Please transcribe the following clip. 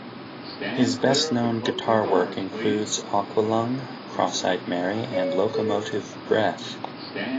His best-known guitar work includes "Aqualung", "Cross-Eyed Mary", and "Locomotive Breath".